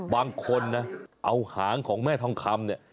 บางคนนะเอาหางของแม่ทองคำเนี่ย